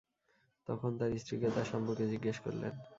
তখন তার স্ত্রীকে তার সম্পর্কে জিজ্ঞেস করলেন।